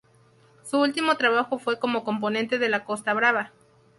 Su último trabajo fue como componente de La Costa Brava.